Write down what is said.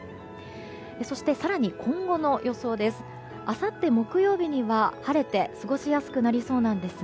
そして、更に今後の予想です。